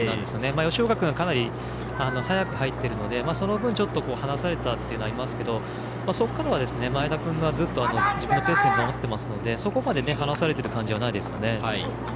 吉岡君が早く入っているのでその分離されたということはありましたけどそこからは前田君がずっと自分のペースを保っているのでそこまで離されている感じはないです。